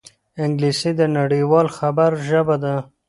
انګلیسي د نړيوال خبر ژبه ده